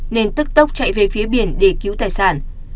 nên tức tốc chạy về phía biển để cứu tài sản